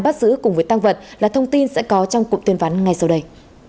bắt giữ cùng với tăng vật là thông tin sẽ có trong cụm tuyên vắn ngay sau đây